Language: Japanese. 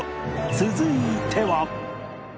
続いては